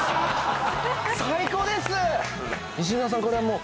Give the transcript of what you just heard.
最高です